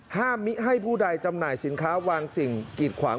มิให้ผู้ใดจำหน่ายสินค้าวางสิ่งกีดขวาง